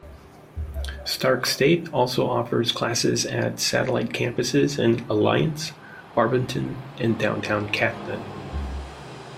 Stark State also offers classes at satellite campuses in Alliance, Barberton and Downtown Canton.